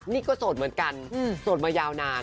นี่ก็โสดเหมือนกันโสดมายาวนาน